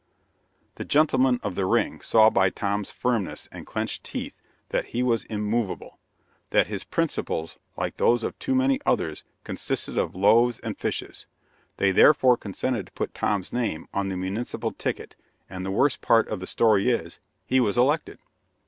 The gentleman of the "ring" saw by Tom's firmness and clenched teeth that he was immovable; that his principles, like those of too many others, consisted of "loaves and fishes;" they therefore consented to put Tom's name on the municipal ticket; and the worst part of the story is, he was elected.